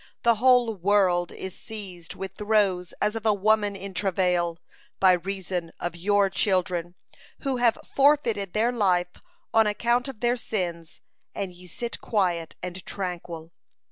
The whole world is seized with throes as of a woman in travail, by reason of your children, who have forfeited their life on account of their sins, and ye sit quiet and tranquil."